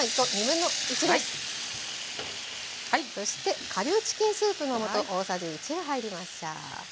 そして顆粒チキンスープの素大さじ１が入りました。